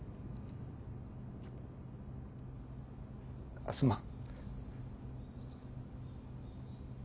あっすまん。